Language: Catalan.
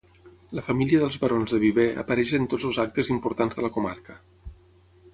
La família dels barons de Viver apareix en tots els actes importants de la comarca.